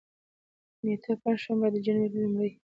نېټه: پنجشنبه، د جنوري لومړۍ